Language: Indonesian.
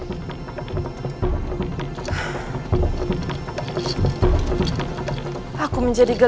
kita juga mau internship dulu